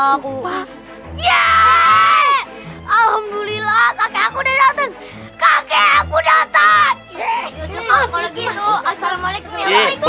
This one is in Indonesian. aku ya alhamdulillah kakek aku udah dateng kakek aku datang gitu assalamualaikum